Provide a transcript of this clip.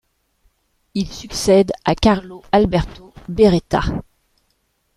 Il succède à Carlo Alberto Beretta.